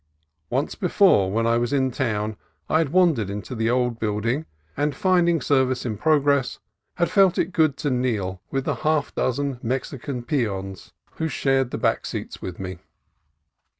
Once before, when I was in the town, I had wandered into the old building, and, find ing service in progress, had felt it good to kneel with the half dozen Mexican peons who shared the back 154 CALIFORNIA COAST TRAILS seats with me.